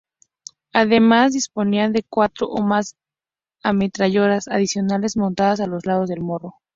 Además, disponían de cuatro o más ametralladoras adicionales montadas a los lados del morro.